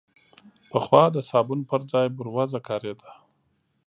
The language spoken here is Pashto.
پخوا د صابون پر ځای بوروزه کارېده.